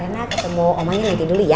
enak ketemu omanya nanti dulu ya